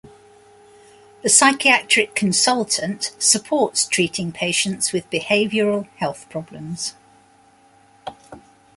The psychiatric consultant supports treating patients with behavioral health problems.